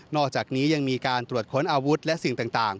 อกจากนี้ยังมีการตรวจค้นอาวุธและสิ่งต่าง